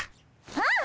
ああ。